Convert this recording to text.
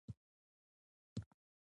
شومو پالیسیو د عملي کولو لپاره.